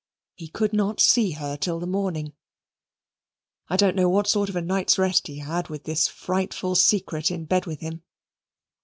He could not see her till the morning. I don't know what sort of a night's rest he had with this frightful secret in bed with him.